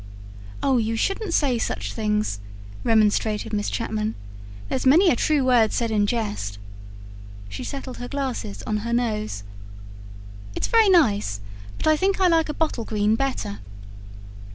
"Oh, you shouldn't say such things," remonstrated Miss Chapman. "There's many a true word said in jest." She settled her glasses on her nose. "It's very nice, but I think I like a bottle green better."